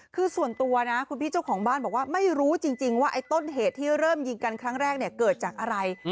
คือส่วนตัวนะคุณพี่เจ้าของบ้านบอกว่าไม่รู้จริงว่าไอ้ต้นเหตุที่เริ่มยิงกันครั้งแรกเนี่ยเกิดจากอะไร